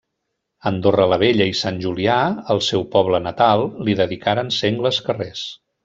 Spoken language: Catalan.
Andorra la Vella i Sant Julià, el seu poble natal, li dedicaren sengles carrers.